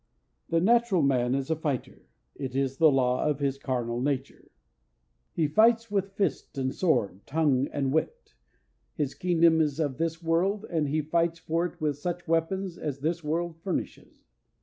The natural man is a fighter. It is the law of his carnal nature. He fights with fist and sword, tongue and wit. His kingdom is of this world, and he fights for it with such weapons as this world furnishes.